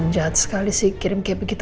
jahat sekali sih kirim kayak begitu